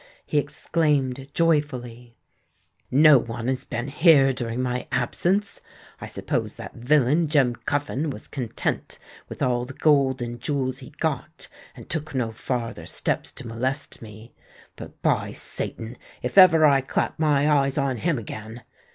he exclaimed, joyfully: "no one has been here during my absence. I suppose that villain Jem Cuffin was content with all the gold and jewels he got, and took no farther steps to molest me. But, by Satan! if ever I clap my eyes on him again!"